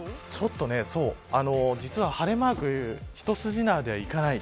実は晴れマーク一筋縄ではいかない。